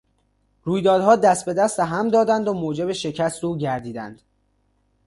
رویدادها دست به دست هم دادند و موجب شکست او گردیدند.